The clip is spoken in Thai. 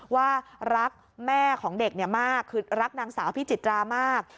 ว่ารักแม่ของเด็กมากคือรักนางสาวพิจิตรามาก